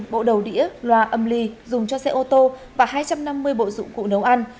một bộ đầu đĩa loa âm ly dùng cho xe ô tô và hai trăm năm mươi bộ dụng cụ nấu ăn